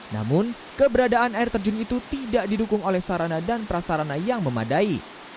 namun keberadaan air terjun itu tidak didukung oleh sarana dan prasarana yang memadai